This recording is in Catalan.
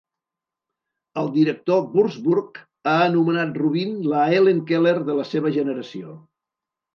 El director Wurzburg ha anomenat Rubin la Helen Keller de la seva generació.